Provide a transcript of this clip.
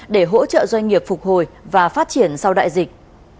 để hỗ trợ doanh nghiệp phục hồi và phát triển sau đại dịch